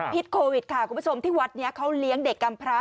โควิดค่ะคุณผู้ชมที่วัดนี้เขาเลี้ยงเด็กกำพระ